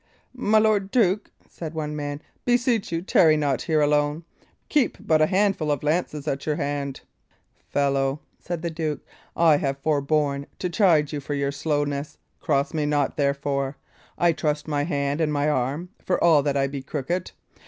"My lord duke," said one man, "beseech you, tarry not here alone. Keep but a handful of lances at your hand." "Fellow," said the duke, "I have forborne to chide you for your slowness. Cross me not, therefore. I trust my hand and arm, for all that I be crooked.